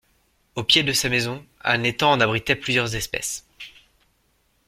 Au pied de sa maison, un étang en abritait plusieurs espèces.